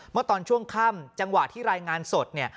เมื่อตอนช่วงค่ำจังหวะที่รายงานสดเนี่ย